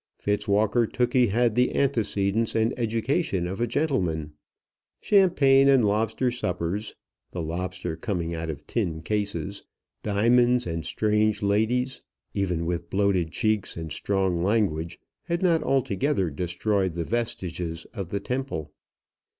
Fitzwalker Tookey had the antecedents and education of a gentleman. Champagne and lobster suppers the lobster coming out of tin cases, diamonds and strange ladies, even with bloated cheeks and strong language, had not altogether destroyed the vestiges of the Temple.